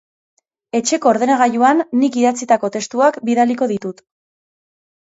Etxeko ordenagailuan nik idatzitako testuak bilatuko ditut.